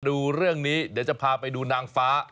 ดูเรื่องนี้เดี๋ยวจะพาไปดูนางฟ้า